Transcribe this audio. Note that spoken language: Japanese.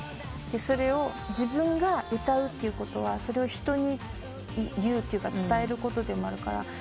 でそれを自分が歌うということはそれを人に言うというか伝えることでもあるから。